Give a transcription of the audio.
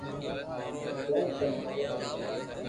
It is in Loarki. ڪون تنگ ڪري